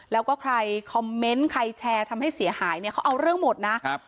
แล้วก็ใครคอมเมนต์ใครแชร์ทำให้เสียหายเนี่ยเขาเอาเรื่องหมดนะครับ